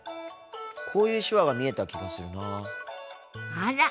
こういう手話が見えた気がするなぁ。